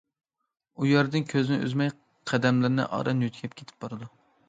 ئۇ يەردىن كۆزىنى ئۈزمەي، قەدەملىرىنى ئاران يۆتكەپ كېتىپ بارىدۇ.